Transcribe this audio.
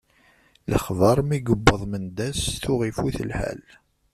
Lexbar mi yewweḍ Mendas tuɣ ifut lḥal.